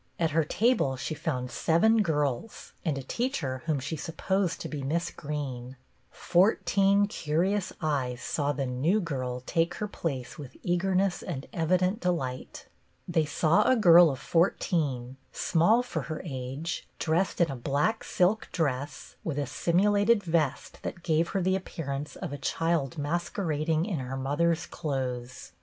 At her table she found seven girls, and a teacher whom she supposed to be Miss Greene. Fourteen curious eyes saw the " new girl " take her place with eagerness and evident delight. They saw a girl of fourteen, small for her age, dressed in a black silk dress with a simulated vest that gave her the appearance of a child masquerading in her mother's clothes.